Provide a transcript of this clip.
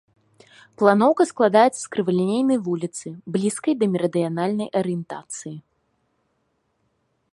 Планоўка складаецца з крывалінейнай вуліцы, блізкай да мерыдыянальнай арыентацыі.